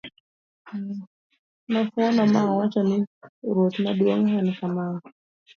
nofuolo ma owacho niya, ruoth maduong' en kamaye